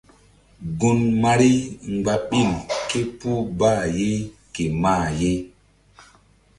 Gun Mari mgba ɓil ké puh bqh ye ke mah ye.